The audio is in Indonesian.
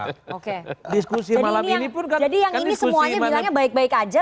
jadi yang ini semuanya bilangnya baik baik aja